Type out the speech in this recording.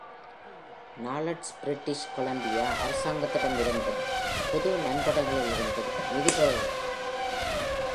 நாலட்ஜ் British Columbia அரசாங்கத்திடமிருந்தும் பொது நன்கொடைகளிலிருந்தும் நிதி பெறுகிறது.